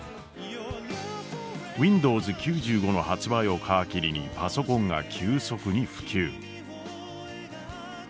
ウィンドウズ９５の発売を皮切りにパソコンが急速に普及。